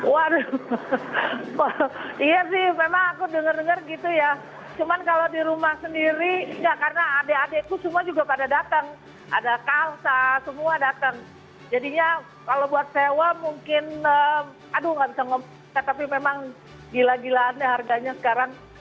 waduh iya sih memang aku denger denger gitu ya cuman kalau di rumah sendiri enggak karena adik adikku semua juga pada datang ada kalsa semua datang jadinya kalau buat sewa mungkin aduh nggak bisa ngomong tapi memang gila gilaannya harganya sekarang